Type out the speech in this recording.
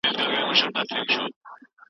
تحليلي فکر کول زده کړئ.